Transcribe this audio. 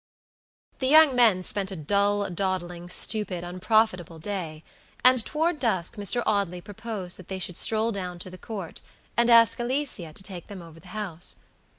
The young men spent a dull, dawdling, stupid, unprofitable day; and toward dusk Mr. Audley proposed that they should stroll down to the Court, and ask Alicia to take them over the house.